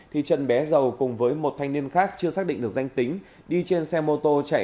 thì trận bé giàu cùng với một thanh niên khác chưa xác định được danh tính đi trên xe mô tô chạy